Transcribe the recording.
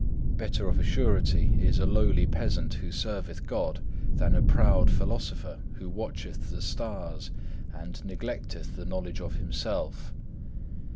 Better of a surety is a lowly peasant who serveth God, than a proud philosopher who watcheth the stars and neglecteth the knowledge of himself.